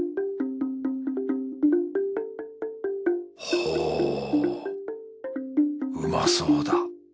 ほうまそうだ。